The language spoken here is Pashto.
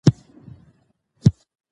طبیعي سرچینې باید په سمه توګه وکارول شي.